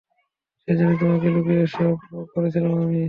সেজন্যই তোমাকে লুকিয়ে এসব করছিলাম আমি!